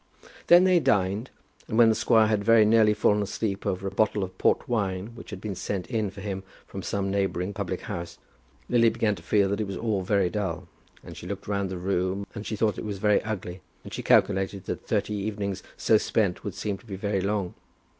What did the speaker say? Then they dined, and when the squire had very nearly fallen asleep over a bottle of port wine which had been sent in for him from some neighbouring public house, Lily began to feel that it was very dull. And she looked round the room, and she thought that it was very ugly. And she calculated that thirty evenings so spent would seem to be very long.